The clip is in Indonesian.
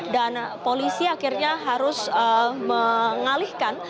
dan polisi akhirnya harus mengalihkan